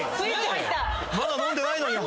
まだ飲んでないのに。